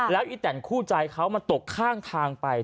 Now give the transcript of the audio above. แล้วอีแตนคู่ใจเขามันตกข้างทางไป